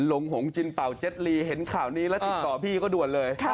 ด้านหน้าทางเห็นข่าวนี้แล้วติดต่อพี่ก็ด่วนเลย